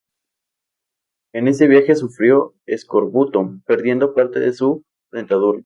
En ese viaje sufrió escorbuto perdiendo parte de su dentadura.